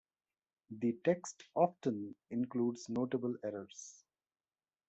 The text often includes notable errors.